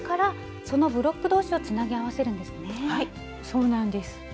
そうなんです。